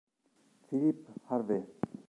Philippe Hervé